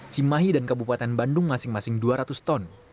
cimahi dan kabupaten bandung masing masing dua ratus ton